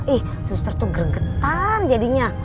ih suster tuh gregetan jadinya